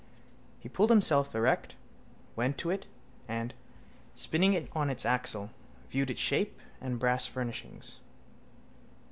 He pulled himself erect, went to it and, spinning it on its axle, viewed its shape and brass furnishings.